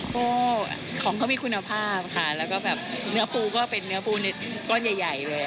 ก็ของเขามีคุณภาพค่ะแล้วก็แบบเนื้อปูก็เป็นเนื้อปูนิดก้อนใหญ่เลย